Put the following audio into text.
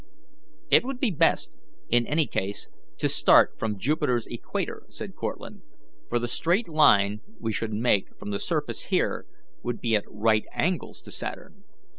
"It would be best, in any case, to start from Jupiter's equator," said Cortlandt, "for the straight line we should make from the surface here would be at right angles to Saturn.